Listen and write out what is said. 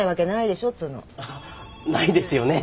ないですよね。